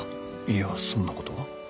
いやそんなことは。